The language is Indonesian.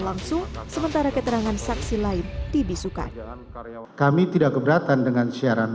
langsung sementara keterangan saksi lain dibisukan karyawan kami tidak keberatan dengan siaran